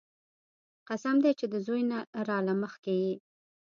قسم دې چې د زوى نه راله مخکې يې.